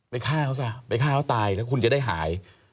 ฆ่าเขาซะไปฆ่าเขาตายแล้วคุณจะได้หาย